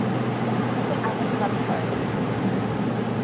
তিনি ডান হাতে আঘাত লাভ করেন।